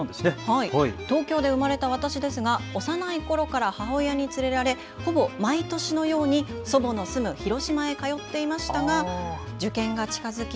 東京で生まれた私ですが幼いころから母親に連れられほぼ毎年のように祖母の住む広島へ通っていましたが受験が近づき